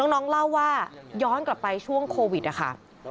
น้องเล่าว่าย้อนกลับไปช่วงโควิดนะคะ